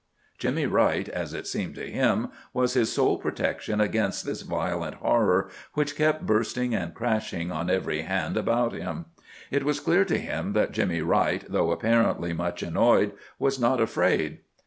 Jimmy Wright, as it seemed to him, was his sole protection against this violent horror which kept bursting and crashing on every hand about him. It was clear to him that Jimmy Wright, though apparently much annoyed, was not afraid.